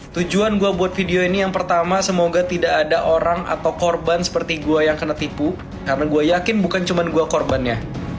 tujuan gue buat video ini yang pertama semoga tidak ada orang atau korban seperti gue yang kena tipu karena gue yakin bukan cuma gue korbannya